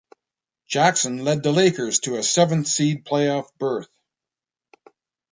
Jackson led the Lakers to a seventh-seed playoff berth.